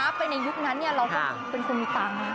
ถ้าเราวาร์ฟไปในยุคนั้นเนี่ยเราก็เป็นคนมีตังค์นะ